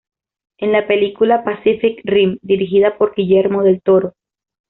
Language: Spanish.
En la película "Pacific Rim", dirigida por Guillermo del Toro.